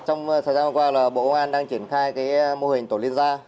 trong thời gian qua bộ công an đang triển khai mô hình tổ liên gia